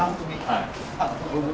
はい。